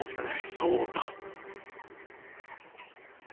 そう思った。